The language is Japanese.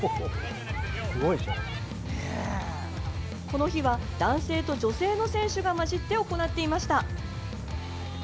この日は男性と女性の選手が交じって行っていました。